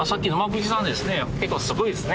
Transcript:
結構すごいですね。